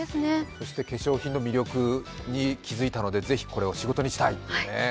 そして化粧品の魅力に気づいたのでこれを仕事にしたいっていうね。